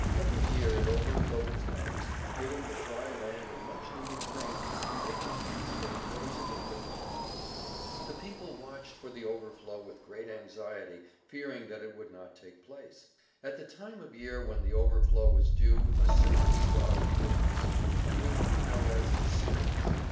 Every year it overflowed its banks, giving the dry land a much needed drink and making possible the raising of different crops. The people watched for the overflow with great anxiety, fearing that it would not take place. At the time of year when the overflow was due a certain star appeared in the sky, which we know as Sirius.